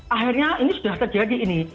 akhirnya ini sudah terjadi ini